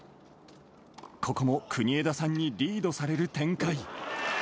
ここも国枝さんにリードされる展開。